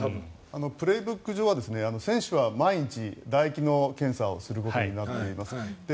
「プレーブック」上は選手は毎日だ液の検査をすることになっています。